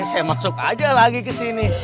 saya masuk aja lagi ke sini